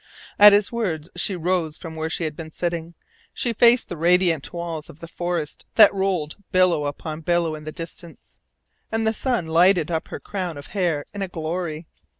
At his words she rose from where she had been sitting. She faced the radiant walls of the forests that rolled billow upon billow in the distance, and the sun lighted up her crown of hair in a glory.